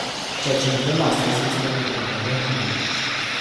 Ceea ce vedem astăzi este o întâmplare rară.